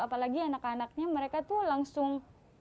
apalagi anak anaknya mereka tuh langsung